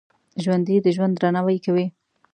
ژوندي د ژوند درناوی کوي